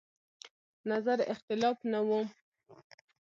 نظر اختلاف نه و.